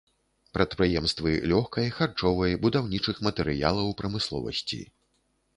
Прадпрыемствы лёгкай, харчовай, будаўнічых матэрыялаў прамысловасці.